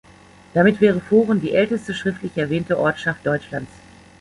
Damit wäre Pfohren die älteste schriftlich erwähnte Ortschaft Deutschlands.